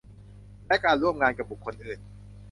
และการร่วมงานกับบุคคลอื่น